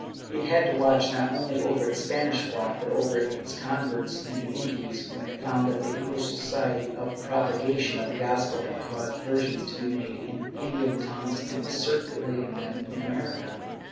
^ It had to watch not only over its Spanish flock, but over its converts in the Indies, when it found that the English Society for the Propagation of the Gospel had caused versions to be made in the Indian tongues and was circulating them in America.